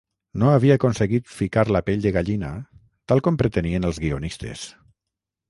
No havia aconseguit ficar la pell de gallina, tal com pretenien els guionistes.